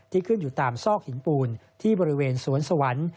ขึ้นอยู่ตามซอกหินปูนที่บริเวณสวนสวรรค์